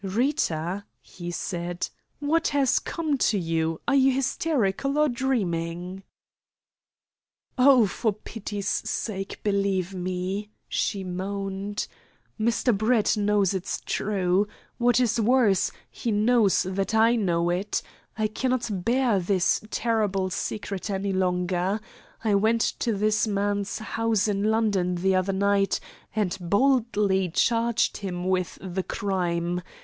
"Rita," he said, "what has come to you? Are you hysterical, or dreaming?" "Oh, for pity's sake, believe me!" she moaned. "Mr. Brett knows it is true. What is worse, he knows that I know it. I cannot bear this terrible secret any longer. I went to this man's house in London the other night, and boldly charged him with the crime.